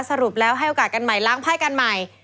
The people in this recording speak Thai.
สรุปแล้วให้โอกาสกันใหม่ล้างไพ่กันใหม่